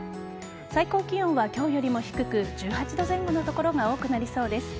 最高気温は今日よりも低く１８度前後の所が多くなりそうです。